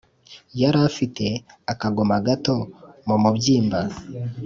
yari afite akagoma gato mu mubyimba